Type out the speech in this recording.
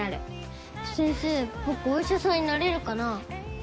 僕お医者さんになれるかな？